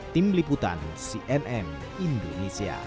tim liputan cnm indonesia